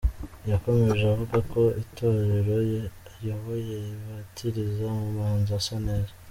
Yakomeje avuga ko itorero ayoboye ribatiriza mu mazi asa neza.